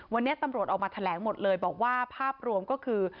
วันนี้ตำรวจออกมาแถลงหมดเลยบอกว่าภาพรวมก็คือ